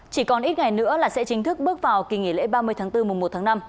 chỉ còn ít ngày nữa là sẽ chính thức bước vào kỳ nghỉ lễ ba mươi tháng bốn mùa một tháng năm